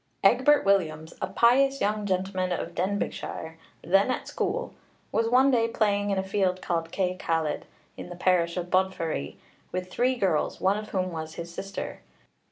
Egbert Williams, 'a pious young gentleman of Denbighshire, then at school,' was one day playing in a field called Cae Caled, in the parish of Bodfari, with three girls, one of whom was his sister.